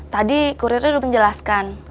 tadi kurirnya udah menjelaskan